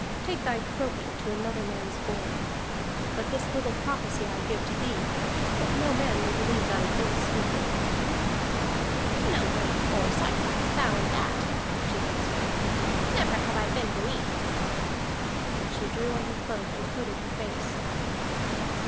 "Take thy croaking to another man's board! But this little prophecy I give to thee, that no man will believe thine ill speaking." "No great foresight hast thou in that," she answered. "Never have I been believed." Then she drew on her cloak and hooded her face.